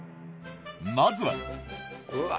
まずはうわ！